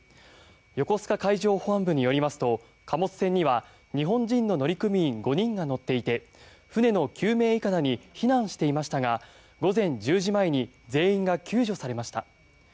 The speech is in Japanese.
横須賀海上保安部によりますと貨物船には日本人の乗組員５人が乗っていて船の救命いかだに避難していましたが午前１０時前に全員が救助されました。